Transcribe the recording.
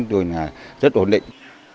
chúng tôi rất ổn định